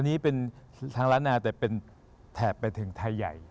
อันนี้เป็นทางล้านนาแต่เป็นแถบไปถึงไทยใหญ่